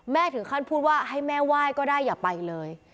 ถึงขั้นพูดว่าให้แม่ไหว้ก็ได้อย่าไปเลย